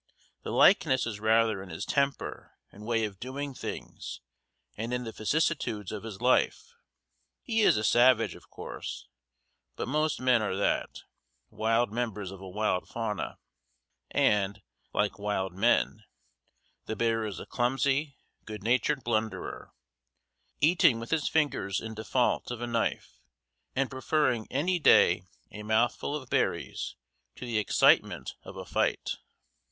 The likeness is rather in his temper and way of doing things and in the vicissitudes of his life. He is a savage, of course, but most men are that wild members of a wild fauna and, like wild men, the bear is a clumsy, good natured blunderer, eating with his fingers in default of a knife, and preferring any day a mouthful of berries to the excitement of a fight.